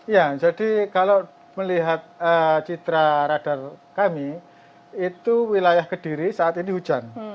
ya jadi kalau melihat citra radar kami itu wilayah kediri saat ini hujan